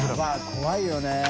怖いよね。